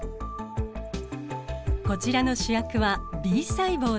こちらの主役はＢ細胞です。